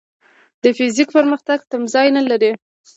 د فزیک پرمختګ تمځای نه لري.